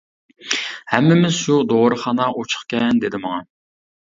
ھەممىمىز شۇ ،دورىخانا ئوچۇقكەن دېدى ماڭا.